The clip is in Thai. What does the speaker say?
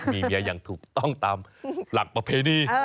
มีเมียอย่างถูกต้องตามหลักประเพณี